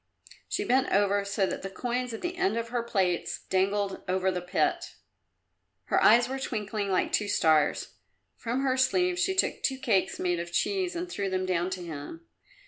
She bent over so that the coins at the end of her plaits dangled over the pit. Her eyes were twinkling like two stars. From her sleeve she took two cakes made of cheese and threw them down to him.